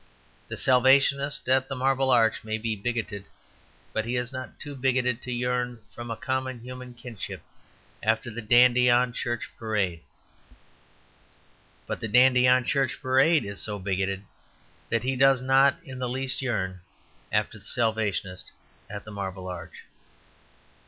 The Salvationist at the Marble Arch may be bigoted, but he is not too bigoted to yearn from a common human kinship after the dandy on church parade. But the dandy on church parade is so bigoted that he does not in the least yearn after the Salvationist at the Marble Arch.